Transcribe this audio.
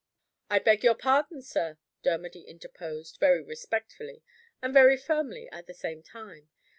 "I beg your pardon, sir," Dermody interposed, very respectfully and very firmly at the same time.